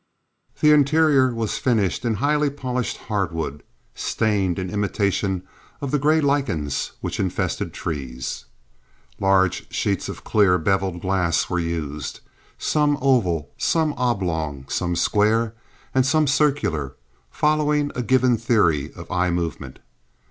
The interior was finished in highly polished hardwood, stained in imitation of the gray lichens which infest trees. Large sheets of clear, beveled glass were used, some oval, some oblong, some square, and some circular, following a given theory of eye movement.